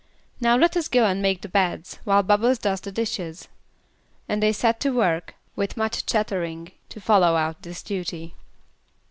"Now let us go and make the beds, while Bubbles does the dishes." And they set to work, with much chattering, to follow out this duty.